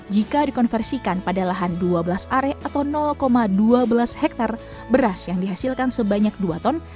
jika dikonversikan pada lahan dua belas are atau dua belas hektare beras yang dihasilkan sebanyak dua ton